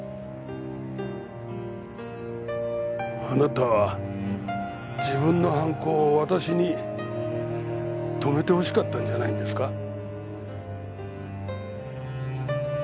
あなたは自分の犯行を私に止めてほしかったんじゃないんですか？